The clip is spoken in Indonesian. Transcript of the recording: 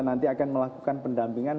nanti akan melakukan pendampingan